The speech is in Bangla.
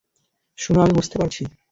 শুনো, আমি বুঝতে পারছি।